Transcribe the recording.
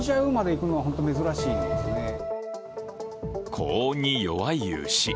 高温に弱い牛。